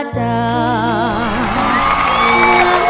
ใจหายเมื่อวันละ